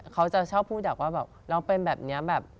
เขาจะชอบพูดดักว่าแบบเราเป็นแบบนี้แบบ